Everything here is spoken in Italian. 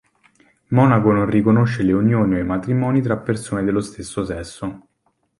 Monaco non riconosce le unioni o i matrimoni tra persone dello stesso sesso.